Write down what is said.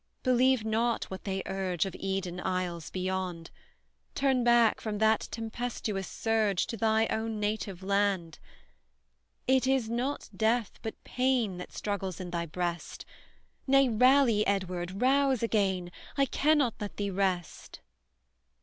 Believe not what they urge Of Eden isles beyond; Turn back, from that tempestuous surge, To thy own native land. It is not death, but pain That struggles in thy breast Nay, rally, Edward, rouse again; I cannot let thee rest!"